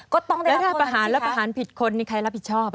แล้วถ้าประหารแล้วประหารผิดคนใครรับผิดชอบ